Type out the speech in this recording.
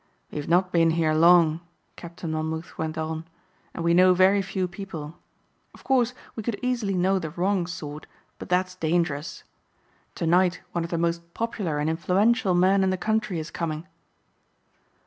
"We've not been here long," Captain Monmouth went on, "and we know very few people. Of course we could easily know the wrong sort but that's dangerous. To night one of the most popular and influential men in the country is coming."